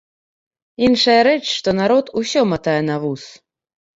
Іншая рэч, што народ усё матае на вус.